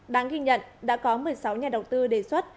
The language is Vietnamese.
đáng ghi nhận đã có một mươi sáu nhà đầu tư đề xuất